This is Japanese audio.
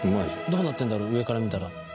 どうなってんだろう上から見たら。